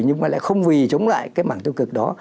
nhưng mà lại không vì chống lại cái mảng tiêu cực đó